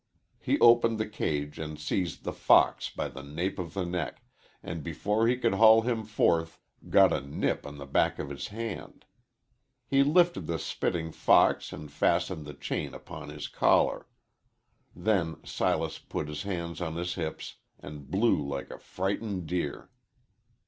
He opened the cage and seized the fox by the nape of the neck, and, before he could haul him forth, got a nip on the back of his hand. He lifted the spitting fox and fastened the chain upon his collar. Then Silas put his hands on his hips and blew like a frightened deer.